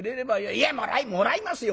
「いやもらいますよ！